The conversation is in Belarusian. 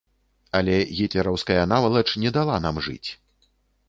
Але гітлераўская навалач не дала нам жыць.